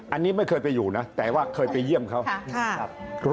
อันนี้ไม่เคยไปอยู่นะแต่ว่าเคยไปเยี่ยมเขานะครับ